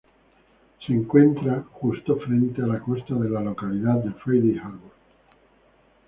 Se encuentra justo frente a la costa de la localidad de Friday Harbor.